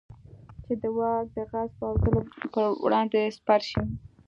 چې د واک د غصب او ظلم پر وړاندې سپر شي.